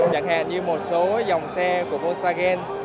chẳng hạn như một số dòng xe của volkswagen